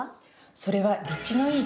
それは立地のいい